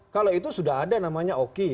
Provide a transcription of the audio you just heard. kalau itu sudah ada namanya oki